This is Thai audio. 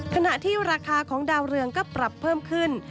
ขณะที่ราคาของดาวเรืองก็ปรับเพิ่มขึ้น